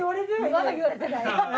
まだ言われてない。